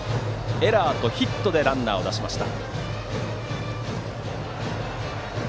エラーとヒットでランナーを出しました。